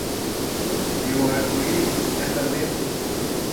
E o arco-íris é também um.